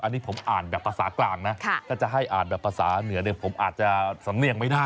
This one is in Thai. อันนี้ผมอ่านแบบภาษากลางนะถ้าจะให้อ่านแบบภาษาเหนือเนี่ยผมอาจจะสำเนียงไม่ได้